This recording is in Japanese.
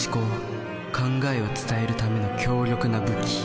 考えを伝えるための強力な武器。